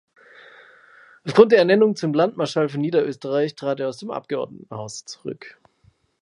Aufgrund der Ernennung zum Landmarschall von Niederösterreich trat er aus dem Abgeordnetenhaus zurück.